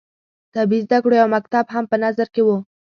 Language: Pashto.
طبي زده کړو یو مکتب هم په نظر کې وو.